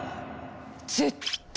絶対！